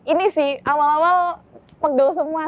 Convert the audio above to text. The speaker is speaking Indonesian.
ini sih awal awal pegel semua